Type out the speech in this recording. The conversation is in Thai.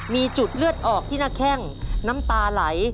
มีจุดเลือดออกที่หน้าแข้งน้ำตาไหล